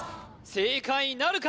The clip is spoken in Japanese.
正解なるか？